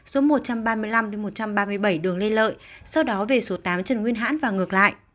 số một trăm ba mươi năm một trăm ba mươi bảy đường lê lợi sau đó về số tám trần nguyên hãn và ngược lại